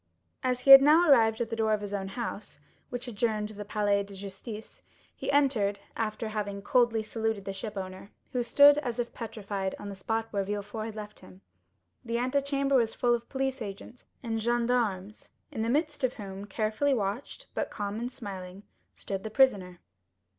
0097m As he had now arrived at the door of his own house, which adjoined the Palais de Justice, he entered, after having, coldly saluted the shipowner, who stood, as if petrified, on the spot where Villefort had left him. The antechamber was full of police agents and gendarmes, in the midst of whom, carefully watched, but calm and smiling, stood the prisoner.